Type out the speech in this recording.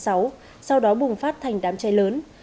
sau đó bùng phát thành đám cháy lớn